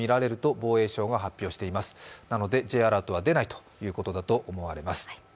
なのでＪアラートは出ないということだと思われます。